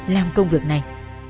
làm công việc này